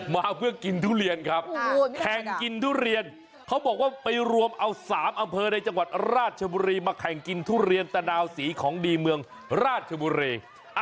มาเพื่อกินทุเรียนครับแข่งกินทุเรียนเขาบอกว่าไปรวมเอา๓อำเภอในจังหวัดราชบุรีมาแข่งกินทุเรียนตะนาวสีของดีเมืองราชบุรี